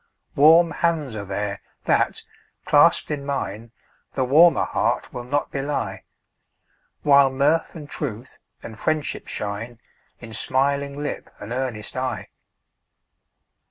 Warm hands are there, that, clasped in mine, The warmer heart will not belie; While mirth, and truth, and friendship shine In smiling lip and earnest eye.